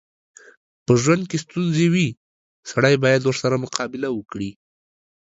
په ژوند کې ستونځې وي، سړی بايد ورسره مقابله وکړي.